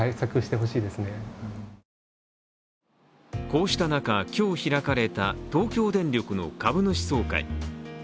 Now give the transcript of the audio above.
こうした中、今日、開かれた東京電力の株主総会。